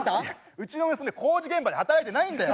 うちの娘工事現場で働いてないんだよ！